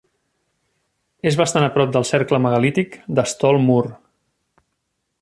És bastant a prop del cercle megalític de Stall Moor.